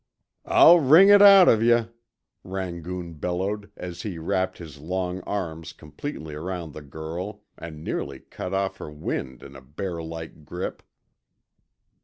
"I'll wring it out of yuh," Rangoon bellowed as he wrapped his long arms completely around the girl and nearly cut off her wind in a bearlike grip.